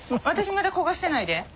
私まだ焦がしてないで。